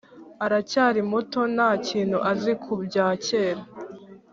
Aracyari muto ntakintu azi kubya kera